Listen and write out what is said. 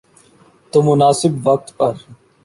تو مناسب وقت پر۔